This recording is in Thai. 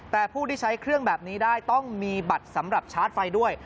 แต่ผู้ที่ใช้เครื่องแบบนี้ได้ต้องมีบัตรสำหรับชาร์จไฟด้วย